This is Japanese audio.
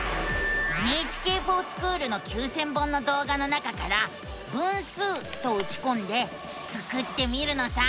「ＮＨＫｆｏｒＳｃｈｏｏｌ」の９，０００本の動画の中から「分数」とうちこんでスクってみるのさ！